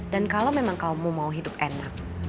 dan kalau memang kamu mau hidup enak